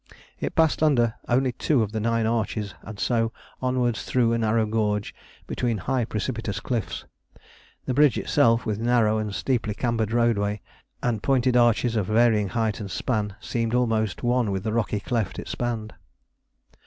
It passed under only two of the nine arches and so onwards through a narrow gorge between high precipitous cliffs. The bridge itself, with narrow and steeply cambered roadway, and pointed arches of varying height and span, seemed almost one with the rocky cleft it spanned.